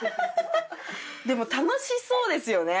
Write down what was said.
でも楽しそうですよね。